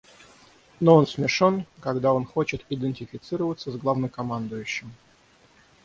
Но он смешон, когда он хочет идентифицироваться с главнокомандующим.